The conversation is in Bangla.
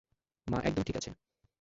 মা একদম ঠিক আছে।